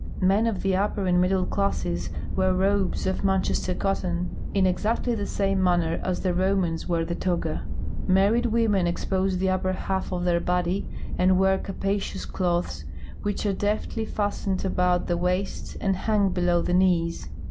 Men of the upper and middle classes wear robes of Manchester cotton, in exactl}^ the same manner as the Romans wore the toga. INIarried women expose the upper half of the bod}'^ and wear capacious cloths, which are deftl}^ fastened about the waist and hang below the knees.